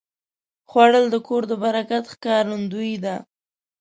خوړل د کور د برکت ښکارندویي ده